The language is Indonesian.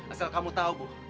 asal kamu tahu bu